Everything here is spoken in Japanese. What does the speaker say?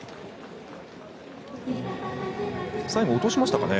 最後、落としましたかね。